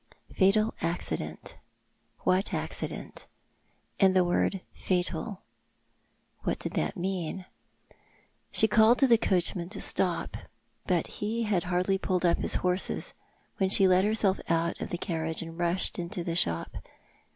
Fatal accident ! What accident ? And the word fatal ! What did that mean ? She called to the coachman to stop, but he had hardly pulled up his horses when she let herself out of the carriage and rushed into the shop.